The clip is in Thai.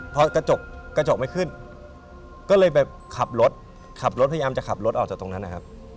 พอกระจกกระจกไม่ขึ้นก็เลยไปขับรถขับรถพยายามจะขับรถออกจากตรงนั้นนะครับ